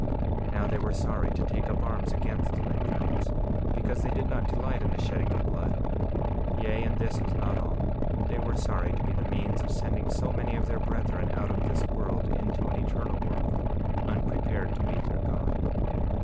48:23 Now, they were sorry to take up arms against the Lamanites, because they did not delight in the shedding of blood; yea, and this was not all—they were sorry to be the means of sending so many of their brethren out of this world into an eternal world, unprepared to meet their God.